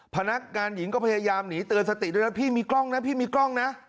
พนักงานหญิงก็พยายามหนีเตือนสติด้วยนะพี่มีกล้องนะพี่มีกล้องนะ